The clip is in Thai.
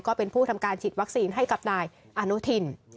ก็เป็นผู้ทำการฉีดวัคซีนให้กับนายอนุทิน